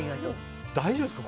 大丈夫ですか？